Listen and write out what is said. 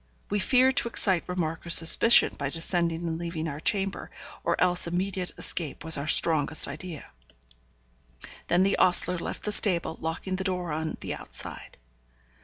We feared to excite remark or suspicion by descending and leaving our chamber, or else immediate escape was our strongest idea. Then the ostler left the stable, locking the door on the outside.